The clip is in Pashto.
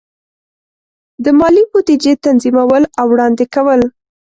د مالی بودیجې تنظیمول او وړاندې کول.